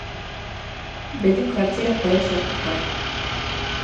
Беҙҙең квартира ҡояш яҡҡа ҡарай